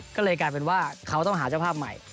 ก็เลยกลายเป็นว่าเขาต้องหาเจ้าภาพใหม่